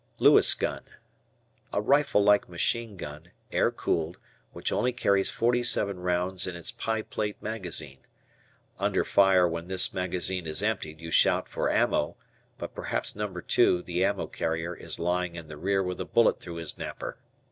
Lewis Gun. A rifle like machine gun, air cooled, which only carries 47 rounds in its "pie plate" magazine. Under fire when this magazine is emptied you shout for "ammo" but perhaps No. 2, the ammo carrier, is lying in the rear with a bullet through his napper.